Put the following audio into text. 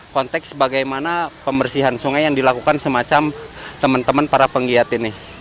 konteks bagaimana pembersihan sungai yang dilakukan semacam teman teman para penggiat ini